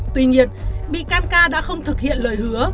tuy nhiên bị can ca đã không thực hiện lời hứa